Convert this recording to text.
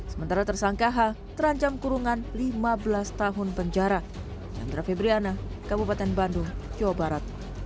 sementara tersangkaha terancam kurungan lima belas tahun penjara